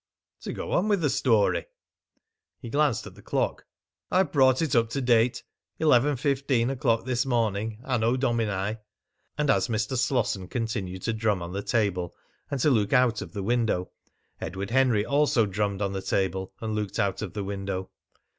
"To go on with the story." He glanced at the clock. "I've brought it up to date eleven fifteen o'clock this morning, anno domini." And as Mr. Slosson continued to drum on the table and to look out of the window, Edward Henry also drummed on the table and looked out of the window.